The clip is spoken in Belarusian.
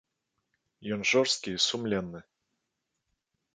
Ён жорсткі і сумленны.